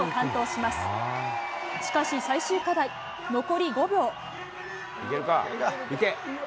しかし、最終課題、残り５秒。